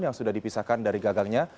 yang sudah dipisahkan dari gagangnya